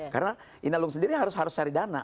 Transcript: karena inelung sendiri harus cari dana